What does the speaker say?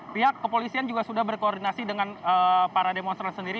pihak kepolisian juga sudah berkoordinasi dengan para demonstran sendiri